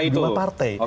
dari jumlah partai